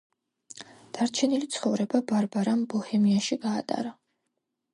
დარჩენილი ცხოვრება ბარბარამ ბოჰემიაში გაატარა.